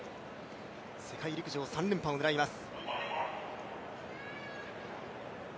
世界陸上３連覇を狙います。